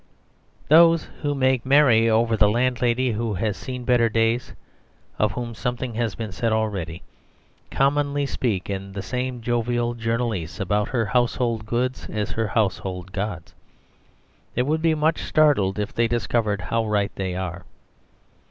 Those who make merry over the landlady who has seen better days, of whom something has been said already, commonly speak, in the same jovial journalese, about her household goods as her household gods. They would be much startled if they discovered how right they are.